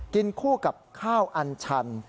กินคู่กับข้าวอันชัน